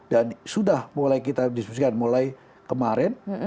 sudah mulai kita diskusikan mulai kemarin